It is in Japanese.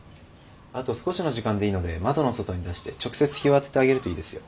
あと少しの時間でいいので窓の外に出して直接日を当ててあげるといいですよ。